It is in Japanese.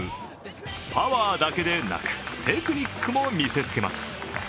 パワーだけでなく、テクニックも見せつけます。